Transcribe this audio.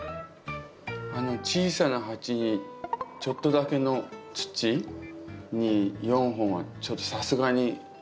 あの小さな鉢にちょっとだけの土に４本はちょっとさすがに。